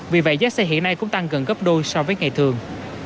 vì vậy giá xe hiện nay cũng tăng gần gấp đôi so với ngày thường